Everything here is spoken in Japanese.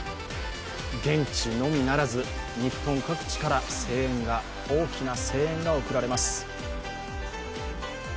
現地のみならず、日本各地から大きな声援が送られます。